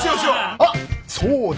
あっそうだ！